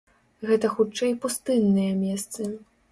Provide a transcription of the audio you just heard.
Гэта хутчэй пустынныя месцы.